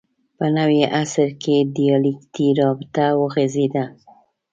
په نوي عصر کې دیالکتیکي رابطه وغځېده